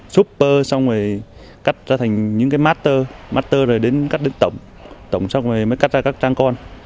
super xong rồi cắt ra thành những cái master master rồi đến cắt đến tổng tổng xong rồi mới cắt ra các trang con